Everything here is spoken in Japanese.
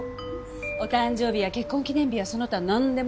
お誕生日や結婚記念日やその他なんでも。